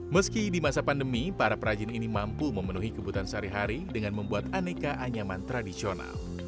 meski di masa pandemi para perajin ini mampu memenuhi kebutuhan sehari hari dengan membuat aneka anyaman tradisional